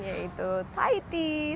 yaitu thai tea